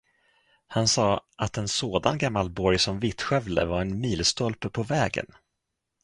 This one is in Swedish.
Han sade, att en sådan gammal borg som Vittskövle var en milstolpe på vägen.